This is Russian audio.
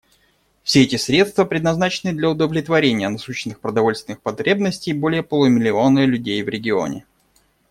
Все эти средства предназначены для удовлетворения насущных продовольственных потребностей более полумиллиона людей в регионе.